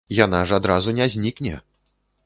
Яна ж адразу не знікне!